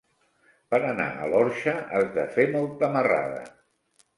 Per anar a l'Orxa has de fer molta marrada.